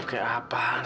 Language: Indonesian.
lu gua kayak apaan